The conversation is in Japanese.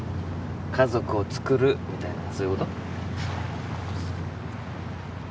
家族をつくるみたいなそういうこと？